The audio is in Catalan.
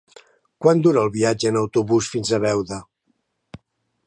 Quant dura el viatge en autobús fins a Beuda?